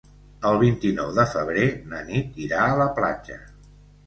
El vint-i-nou de febrer na Nit irà a la platja.